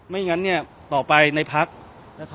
ไม่อย่างนั้นต่อไปในพักษณ์